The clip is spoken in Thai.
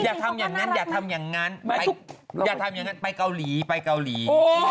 อย่าทำอย่างนั้นอย่าทำอย่างนั้นไปเกาหลีไปเกาหลี